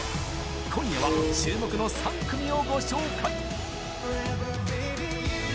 今夜は、注目の３組をご紹介。